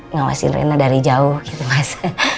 ngawasin rena dari jauh gitu mas